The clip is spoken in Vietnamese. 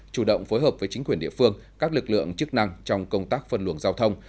chủ động phối hợp với chính quyền địa phương các lực lượng chức năng trong công tác phân luồng giao thông